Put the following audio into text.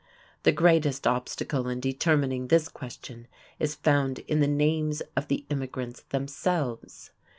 The greatest obstacle in determining this question is found in the names of the immigrants themselves.